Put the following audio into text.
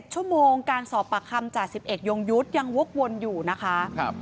ชั่วโมงการสอบปากคำจาก๑๑ยงยุทธ์ยังวกวนอยู่นะคะ